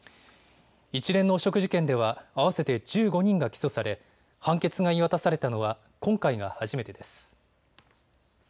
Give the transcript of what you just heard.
一連の汚職事件では合わせて１５人が起訴され判決が言い渡されたのは今回が初めてです。